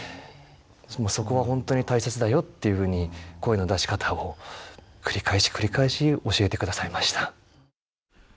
そこは本当に大切だよっていうふうに声の出し方を繰り返し繰り返し教えてくださいました。